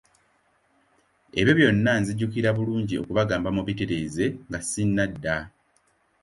Ebyo byonna nzijukira bulungi okubagamba mubitereeze nga sinnadda.